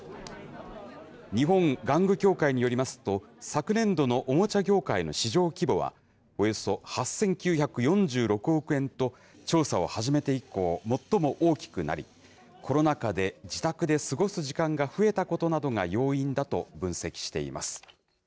日本玩具協会によりますと、昨年度のおもちゃ業界の市場規模は、およそ８９４６億円と、調査を始めて以降、最も大きくなり、コロナ禍で自宅で過ごす時間が増えたことなどが要因だと分析しています。